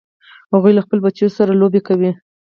هغوی له خپلو بچو سره لوبې کوي